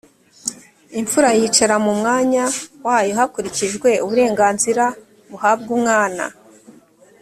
imfura yicara mu mwanya wayo hakurikijwe uburenganzira buhabwa umwana.